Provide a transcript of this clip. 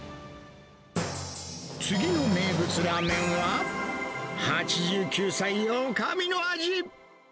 次の名物ラーメンは、８９歳おかみの味。